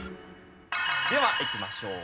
ではいきましょう。